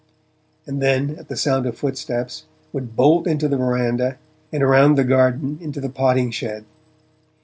and then, at the sound of footsteps, would bolt into the verandah, and around the garden into the potting shed.